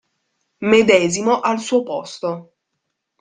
Medesimo al suo posto.